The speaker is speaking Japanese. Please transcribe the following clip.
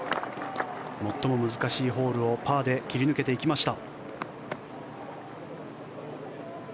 最も難しいホールをパーで切り抜けていきました。